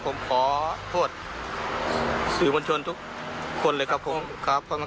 ผมขอโทษสื่อมวลชนทุกคนเลยครับผมครับ